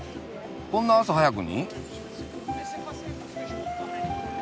こんな朝早くに？